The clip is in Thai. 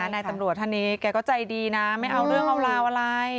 นายตำรวจท่านนี้แกก็ใจดีนะไม่เอาเรื่องเอาราวอะไร